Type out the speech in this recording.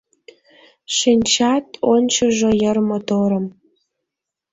Шинчат ончыжо йыр моторым